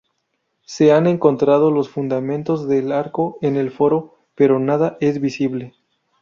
Se han encontrado los fundamentos del arco en el Foro, pero nada es visible.